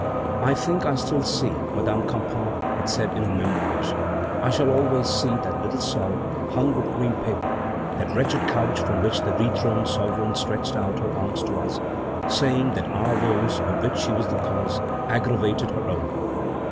"I think I still see," Madame Campan has said in her Memoirs, "I shall always see, that little cell, hung with green paper, that wretched couch from which the dethroned sovereign stretched out her arms to us, saying that our woes, of which she was the cause, aggravated her own.